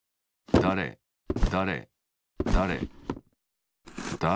だれだれだれだれ